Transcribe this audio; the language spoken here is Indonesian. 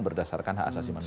berdasarkan hak asasi manusia